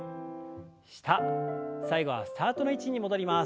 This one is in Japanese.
下最後はスタートの位置に戻ります。